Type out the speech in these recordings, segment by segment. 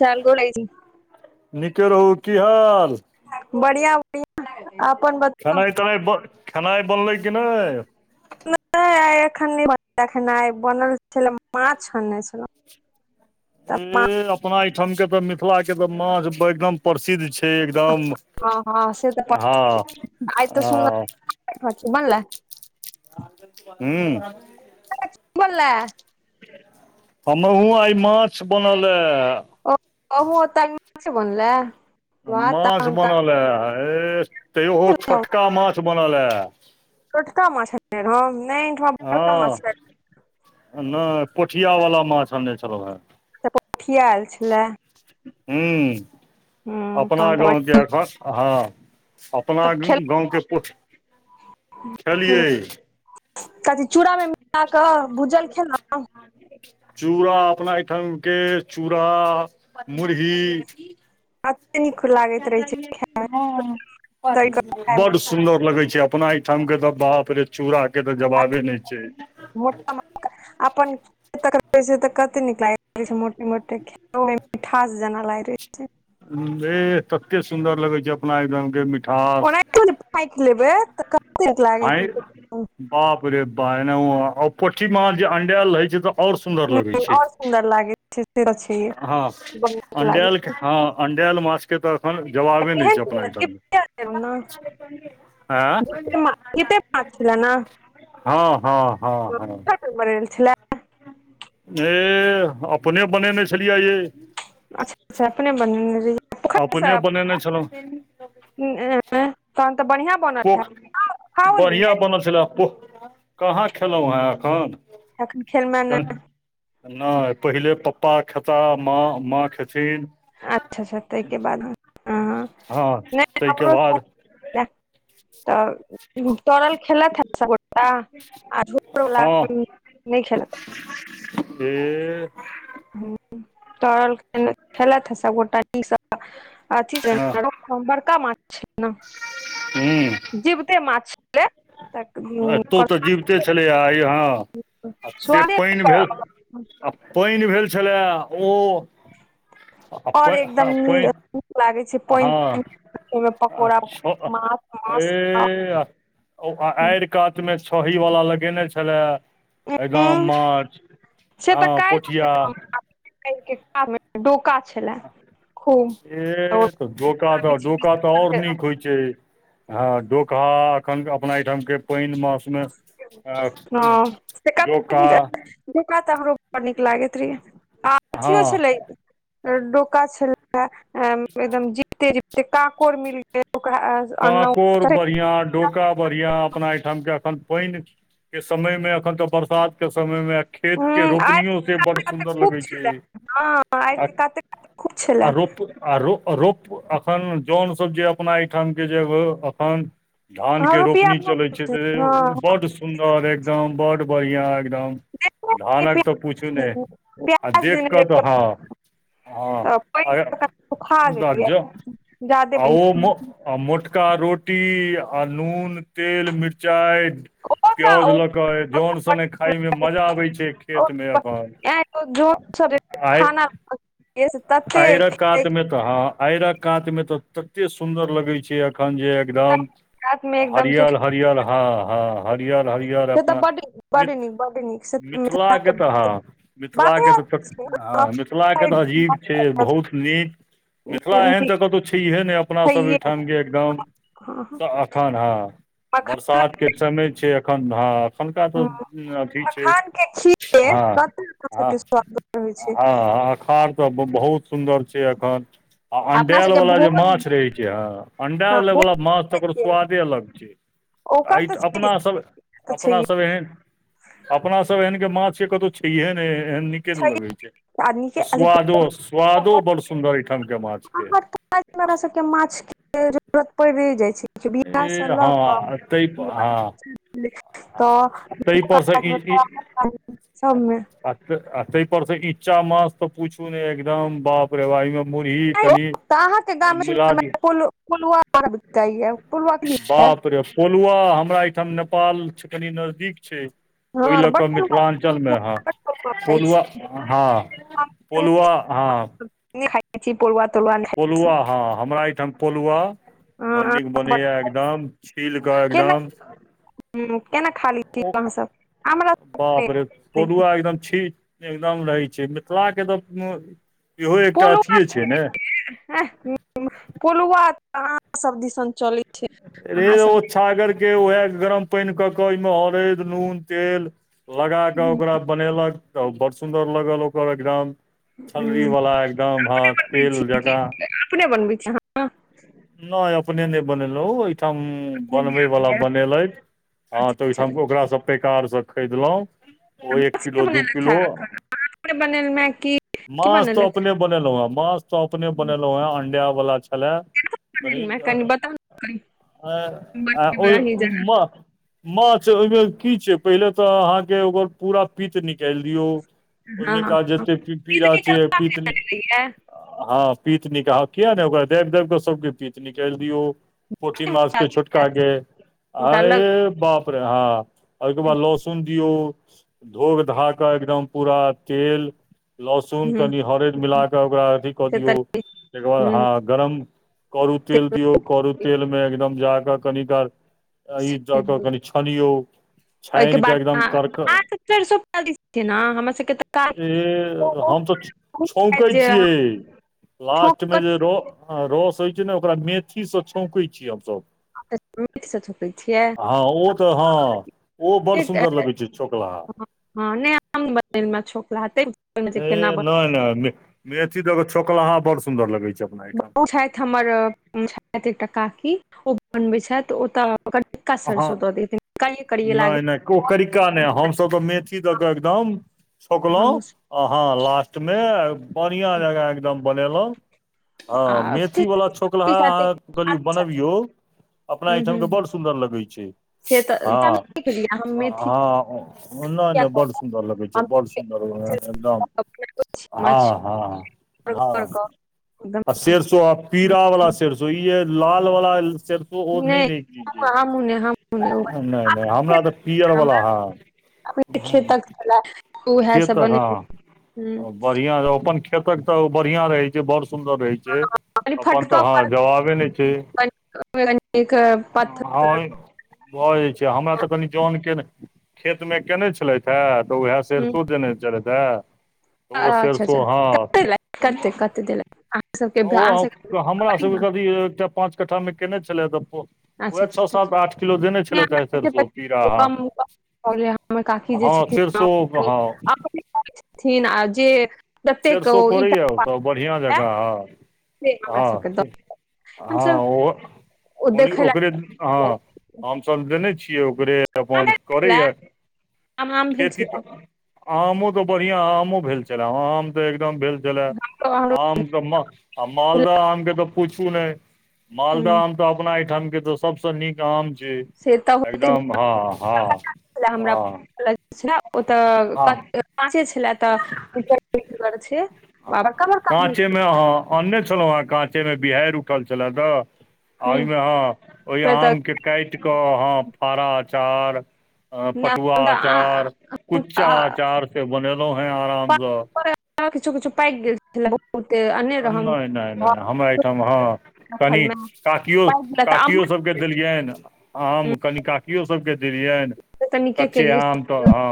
चाल गोलै छै। नीके रहू कि हाल बढ़िआ बढ़िआ। अपन खेनाइ तेनाइ बन खेनाइ बनलै कि नहि। न बनल छल मछ आने छल ए अपना एहिठाम के तऽ मिथिला के तऽ माछ एकदम प्रसिद्ध छै। एकदम हँ हँ से तऽ ह ह बनल हू। अी बोलै। हमरहूँ आइ माछ बनल हे ओ तऽ बनलै वाह माछ तहन तऽ बनल हए तहो खेलहुँ छोटका माछ बनल हए छोटका माछ नहि एहिठमा बड़का हँ माछ नहि पोठिया वाला माछ आने छलहूँ हे कि आयल छलै ह्म हूँ अपना तहन तऽ गाव के एखन हँ अपना तऽ खेलहुँ गाव के पोठी खेलियै। कथी चूड़ा मे मिल कऽ भूजल खेलहुँ चूड़ा अपना एहिठाम के चूड़ मुरही। कते नीक लागैत रहै छै ह। तरि कऽ खाय मे सुंन्दर लगे छै अपना एहिठाम के तऽ बाप रे चूड़ा के तऽ जवाबे ने छै। म अपन कते नीक लाग रह छै मोटे मोटे मिठास जेना लाग रहे छै ह तते सुन्दर लगे छै अपना एकदम के मिठास ओनाहितो पाकि लेबै त आय बाप रे ब [unintelligible] ए पी म अंडाल रहै छै तऽ और सुन्दर लगे छै आओर सुन्दर लागै छै से तऽ छैहे ह बड़ नीक लागै अंडल के छै ह अंड माछ के तऽ एखन तऽ जवाबे नहि केहन छै अपना छलै एहिठाम मे जीपे लेब ने आ इत पच छल ने हँ हँ हँ हँ बे छलै अपने बनेने छलियै ये अच्छा अच्छा अपने बन। अपने बनेने छलहुँ। ह अ तहन तऽ बढ़िया पोख बढ़िआ बनल छलए प कहाँ खेलहुँ हे एखन तन खेलबा। नहि पहिले पप्पा खेता माँ, माँ खेथिन अच्छा अच्छा ताहिके बाद हैं हँ नहि ताहिके बाद नहि तऽ। तरल खेलत है आ हँ नहि खेलत है हे ह तल खेल ह सभगोटा न अथ बड़का माछ छै ने। हू। जीवते माछ तऽ एतहूँ तऽ जीबिते छलैएहाँ आ से स्वादे पानि भेल। आओर आ पानि भेल छलए ओ आ एकदम पानि। नीक लागै छै पानि हँ तानि ओहिमे पकौड़ा अच्छा माछ मास ओ आ आड़ि कातमे छै ही वला लगेने छलए ह एदम माछ हँ पोठिया। के कऽ डोका छलए तऽ डोका तऽ बीच डोका तऽ आऔर बीच न खोज डोका अखन अपना एहिठाम के। पानि मासमे हँ से कते डोका नीक डोका तऽ हमरो बड़ नीक लागैत रहियै आ अथि हँ छलै डोका छल एकदम जीते जीते काकोड़ मिल गेल ओकरा अनलहुँ काकोर बढ़िया डोका बढ़िया अपना एहिठाम के एखन पानि के समय मे एखन तऽ बरसात के समय मे। खेत के हूँ आरि रोपनियो से बड़ के काते सुंदर खूब लगे छै छलै हँ आ आके कात कऽ खूब छल आ रोप आ रो रोप एखन जन सभ जे अपना एहिठाम के जेग एखन धान हँ के रुपया रोपनी चले छै बड़ सुन्दर एकदम बड़ बढ़िया एकदम। भानक तऽ पूछू ने आ प्याज देख देने कऽ तऽ रहियै ह हँ पानि सुखा गेलै अर जादे पानि आउ [unintelligible] आ मोटका रोटी आ नून तेल मिरचाई पियौज ओ लऽ कऽ तऽ जन स ने खाय मे मजा आबै छै ओ खेत मे एखन [unintelligible] खाना तते आइर कात कात रात मे तऽ हँ आयर कात मे तऽ तते सुन्दर लगै छै एखन जे एकदम मे एकदम से हरियर हरियर ह ह हरिहर हरिअर से तऽ अपना बड बड मिथ् नीक बड नीक से त मिथिला के मिथिलाके तऽ हँ बात मिथिलाके बाते तऽ छोट हँ मिथिलाके तऽ अजीब छै बहुत नीक मिथिला एहन तऽ कतौ छैहे नहि अपनासभ छैहे ओहिठामके एकदम अखन हँ मखान बरसात के चमय छै अखन हँ एखुनका तऽ अथी छै मखान के खीर ह कते अपना ह ह सबके स्वाद रहै छै ह खार तऽ ब बहुत सुन्दर छै एखन आ अपना अंडेऽल सबके वाला जे भोज माछ रहै छै ह हँ अंडेल भोज वला माछ त ओकर के स्वादे अलग छै ओकर आई तऽ छैहे अपनासभ तऽ छैहे अपनासभ एहन अपना सब एहन के माछ के कतौह छैहे नै एहन नीके नै लगै छै तऽ आर निके स्वादो स्वादो बड़ सुन्दर एठाम के माछ के अहाँ हमरा सबके माछ के जरूरत पैड़े जाइ छै बियाह स ए लऽ कऽ हँ ताहि हँ [unintelligible] ताहि पर तऽ से ई ई [unintelligible] आ आ तै पर स इच्चा मास तऽ पूछू नहि एकदम बाप रे बाह एहिमे मुरही कनि तऽ मिला दियौ अहाँके गाम [unintelligible] बाप पोलुआ हमरा एहिठाम नेपाल कनि नजदीक छै ओई हँ तऽ लऽ कऽ बड मिथिलाञ्चल मे आहां खाइ छी पोलुआ हँ पोलुआ अहां नया खाइ छी पोलुवा तोलुवा पोलुआ हाँ हमरा एहिठाम पोलुआ नहि बल्डिंग खाइ बनैया एकदम छील कऽ एकदम हूं केना खा लै छी ओ अहाँ सब हमरा बापरे पोलुआ एकदम छी एकदम रहै छै मिथिलाके तऽ इहो एकटा अथि ये छै ने [unintelligible] हाह हूं पोलुव आहाँ सब दिसन चलै रे अहाँ ओ सब छागरके उएह गरम पनि कऽ कऽ ओहिमे हरैद नून तेल लगा कऽ ओकरा बनेलक त बड़ सुन्दर लगल ओकर एकदम छल्री वालला एकदम हँ तेल जकाँ अपने बनबै छी आंहा नय अपने नय बनेलउ ओइठम बनबै अहाँ बला बनेलैथ हँ तऽ अच्छा ओहिठाम ओकरा सब पैकारसँ खरीदलहुं ओ एक अच्छा किलो दू बनेलथि हे किलो [unintelligible] की माछ तऽ बनेलथि अपने बनेलहुँ हें माछ तऽ अपने बनेलहुँ हें अंडा वला छलए हे कनि बताउ ने कनि बनेबै अहीं जेना [unintelligible] माछ ओहिमे की छै पहिले तऽ अहाँके ओकर पूरा पित निकालि दियौ ओई हँ हँ मेका जते पी नीक पीरा छैे निकलि पीतने गेलैये हँ पीत निका किया नहि ओकरा दाबि दाबि कऽ सबके पीत निकालि दियौ पोठी माछ के हैत छुटकागे ओकरा आय लग बाप रे आ ओहिके बाद लहसुन दियौ धोोक धा क एकदम पूरा तेल लहसुन हूँ कनि हरद मिला क ओकरा अथी क से दियऔ तऽ तकर बाद हूँ हंँ गरम करू तेल दियऔ करु तेल मे एकदम जाकर कनिकार ई जाक कनि छानियों ओहिके छैयन के बाद एकदम अहाँ करक अहाँ सब चरि सुपौल दिस छियै ने हमरा सबके तऽ ऐ हम त छौकै काज जे अहाँ छियै ठोक लास्टमे जे र रस होइ छै ने ओकरा मेथीसँ छौकै छियै हमसभ मेथसँ ठोकै छियै हँ ओ त हँ ओ बड़ सुन्दर हँ लगै छै चौकला हंँ आंन बरतंन मे छौक लाहँ हेतैय ए नह नह मे मेथी दक छौकला अहा बड़ सुन्दर लगै छ उ छैत हमर छैत काकी ओ खुब बनबै छैत ओत हँ करिये लागैत नहि नहि को कैरका नहि हमसभ त मेथी द क एकदम छौकलहुँ हम आ हँ लास्टमे बढ़िआँ जका एकदम बनेलहुँ आ हँ मेथी वालला छोकलहा साथे अहाँ कनियौ बनबियौ अपना हूं एहिठाम हूं के बड़ सुन्दर लगै छै से तऽ हँ केलियै हम मेथी हँ अना किया नयै को बड सुन्दर लगै छै हम जेए बड सुन्दर एकदम ह माछ ह कर ह कऽ आ एकदम सेरसो आ पीरा वाला सेरसो य लाल वाला सेरसो नहि आहँ मने हम नहि नहि हमरा त पीअर बला हमरा अपने हँ खेतक छले उएह सब जेक बने हँ बरिया अपन खेतक त बढ़िया रहे छै बड़ सुंन्दर रहै जे अपनत फटक हंँ पर जवाबे नहि छै कनिक हँ पत्थर हँ भजाइ छै हमरा त कनि जन के खेत मे केने छेलत हे त हूं सेरसो देने चलैत हैत ओ अच्छा अच्छा सरसो कते हँ देलथि कते कते देलथि अहाँ सबके अहाँ ओहम सबके क हमरा पड़ी सबके ने कभि एकटा पाँच कट्ठा मे केयने छले त अच्छा उएह अच्छा छओ अच्छा सात अच्छा आठ किलो देने छलैथ त सरिसो पीरा हँ पहिले हमर काकी जे छथिन क हब अप छथिन जे जतेक ओ सरसो ईटा फरड़ैयए ओत बरिया लए जका से हमरा हँ सबके द हँ हँ हमसब ओ ओ देखै ओकरे लए हँ हमसभ देने छियै ओकरे अपन आमे छलै करैए आम आम भेल खेती छलै त आम त बढ़िआँ आमो भेल छल आम त एकदम भेल छलय हमरो आम त आ मालदह आम के त पूछू नहि मालदह हूँ आम अपना एहिठाम के दोस सबसँ नीक आम छै से तऽ होते एकदम हँ हँ हँ ओ त हँ काँचे छल त कि करबै तैयदुआरे छै आ बड़का बड़का भेल काँचे मे अहाँ अनने छलहुं हें काँचे मे बिहाड़ि उठल छले हुँ ओहिमे हँ ओहि तऽ आम के काटि क हंँ फाराचार अ पटुआ अचार कुच्चा आचार से बनेलो हैं आरामसँ आ किछु किछु पाइक गेल छलै बहुते अने [inaudible] रहम नै नै नै हमरा एहिठाम हँ कनि रखल मे काकियो पाकि गेल तऽ काकियो अम्मा सब देलियनि आम कनी काकियो सबके देलियनि तऽ [inaudible] नीके कच्च केलियै आम तऽ हँ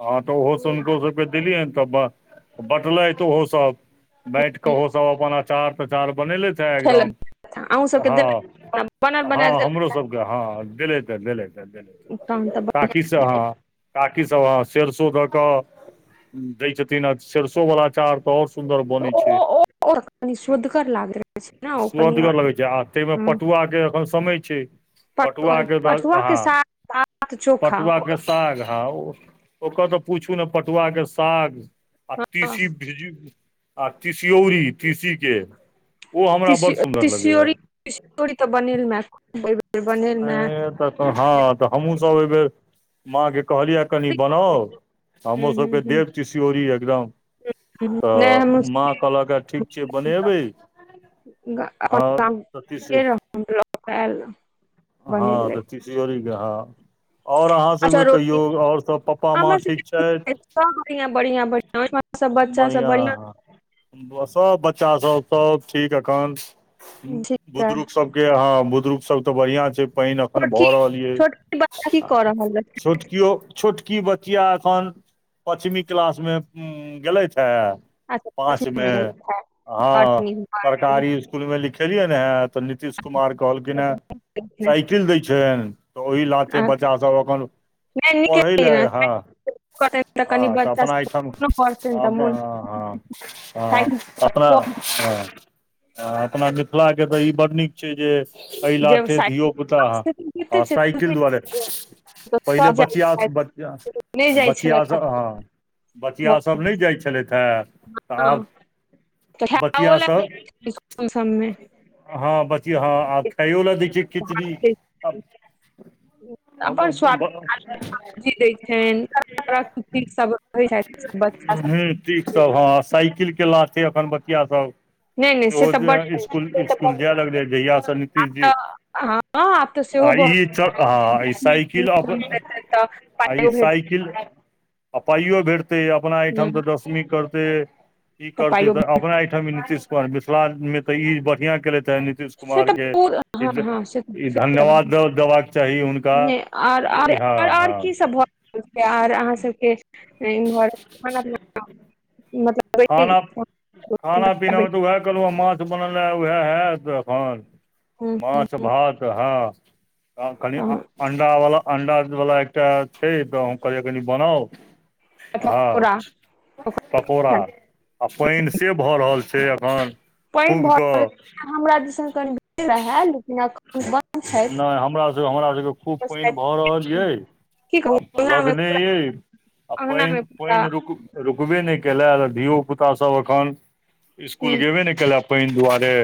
हँ तऽ ओहो सब हुनको सबके देलियै तऽ बँटलैथ ओहो सब बाँट कह सब अपन अचार प्रचार बनेले थ हँ खेलक एकदम अहूँ सबके हँ [inaudible] देलक बनल बनायल हँ हमरो सबके हँ दैलैथ हँ दैलैथ हँ देलक तहन तऽ दैलैथ [inaudible] काकीसभ हँ काकीसभ हऽ सरसो दऽ कऽ दै छथिन आ सरसो वला आचार तऽ और सुन्दर बनैत छै ओ ओ कनि सोदगर लागैत रहै छै ने [inaudible] ओ कनि स्वदगर आओर लगै छै आ ताहिमे पटुआ के एखन समय छै पटुआ केँ द पटुआ दाहा के साथ [inaudible] चोखा पटुआ केँ साग हँ ओकर तऽ पूछू नऽ पटुआ केँ साग आ तीसी भीजीग आ तीसीऔरी तीसी केँ ओ हमरा तिसि बड सुन्दर लगैय तिसियोरी [unintelligible] मे ऐ तऽ हँ तऽ हमहुँ सब एहि बेर माँ केँ कहलियै कनि बनाउ हुं हमरो हुं सबके हुं देब तीसऔरी एकदम नहि तऽ हमहुँ माँ कहलक ह ठीक छै बनेबै [unintelligible] ल [unintelligible] हँ तऽ तीसऔरी कऽ हँ और अहाँ आ सभके चरौरी कहियौ और सभ पप्पा माँ हमरा ठीक छैथ सबके सब बढ़ियां बढ़ियां बढ़ियां ओहिठमा सब हम बच्चा सब बढ़िआँ बढ़ियां बऽसभ बच्चासभ सब ठीक एखन [inaudible] ठीक है बुदुरुक सभ केँ हँ बुदुरूक सब तऽ बढ़ियां छै पाइन अखन छोटकी भऽ रहल ये छोटकी बच्चा की कऽ रहल [inaudible] रहै छोटकियो - - छोटकी बचिया एखन पचमी क्लास मे गैलैथ है अच्छा पाछू पाँचमे मे गेलै खाय [inaudible] हँ नीक सरकारी इस कुल मे लिखेलियै है तऽ नितीश कुमार कहलखिन है [unintelligible] साइकिल दै छै तऽ ओहि लाथै बच्चा सब एखन नीके पढ़ै लऽ हँ करतनि [inaudible] कनि हँ तऽ बच्चा अपना एहिठाम सब पढ़तनि तऽ अप हँ मोन हँ हँ अप अपना हँ आ अपना मिथिला के तऽ इ बड नीक छै जे एहि ला जे - - थै धियओ साइड पुता कते [inaudible] हँ छै साइकिल द्वारे त पहिले सब जाइ बचिआ छथि थऽ [inaudible] बच नहि जाइ बचिआ छलथि सब हँ बचिाया सभ नहि जाइत छलैथ है बचिया सब [unintelligible] हँ बच्चि हँ आ खाइयो लऽ दै छै खिचड़ी [inaudible] हूँ [unintelligible] हू ठीक सब हँ साइकिल केँ लाथै एखन बच्चिया सब नहि नहि से तऽ बड ओ इसकुल से तऽ इसकुल बड जाय लगले जहियस नीतीश जी हँ आब तऽ [inaudible] आ सेहो इ च हँ इ बहुत साइकिल अप तऽ आइ पाइयो भेट साइकिल आ पाइयो भेटतै अपना एहिठाम तऽ दसमी करतै ई करते तऽ अपना एहिठ। नितिश कुमार मिथिला मे तऽ ई बढ़िया केले हे नितिश कुमार के हुनका बढ़आ जे हँ आर हँ की सभ भ आर अहाँ सभके इ मतलब खाना खाना पीना मे मतलब उएह कहलहुँ ह माछ बनल ह उएह हत एखन माछ भात हँ ख अंडा वाला अंडा वाला एकटा छै तऽ क कनि बनाउ हँ पकौड़ा पकौड़। आ पानि से भऽ रहल छै एखन पानि खूब भर कऽ हमरा दिस कनि भीड़ रहै लेकिनख। नहि हमरा सभके हमरा सभके खूब छथि पानि भऽ रहल ये की कहू आ अङ्गना मे लदने पूरा यो आ अङ्गना पान मे पूरा पानि रुक रुकबे नहि केले धियो पुता सभ अखन हूँ स्कूल गेबे ने केल। पान दुआरे।